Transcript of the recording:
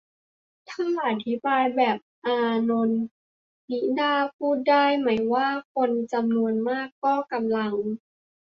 ถ้าอธิบายแบบอานนท์นิด้า พูดได้ไหมว่า คนจำนวนมากก็กำลัง